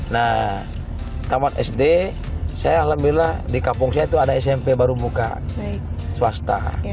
nah tamat sd saya alhamdulillah di kampung saya itu ada smp baru muka swasta